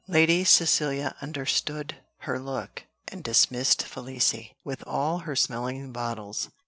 Lady Cecilia understood her look, and dismissed Felicie, with all her smelling bottles.